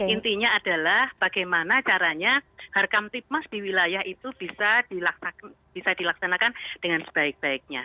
intinya adalah bagaimana caranya harkam tipmas di wilayah itu bisa dilaksanakan dengan sebaik baiknya